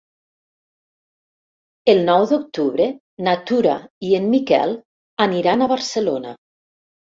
El nou d'octubre na Tura i en Miquel aniran a Barcelona.